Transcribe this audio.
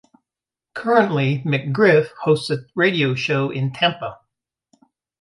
Currently, McGriff hosts a radio show in Tampa.